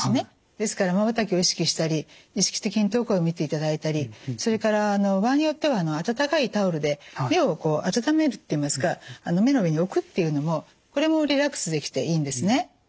ですからまばたきを意識したり意識的に遠くを見ていただいたりそれから場合によっては目の上に置くっていうのもこれもリラックスできていいんですね。